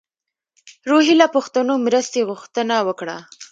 روهیله پښتنو مرستې غوښتنه وکړه.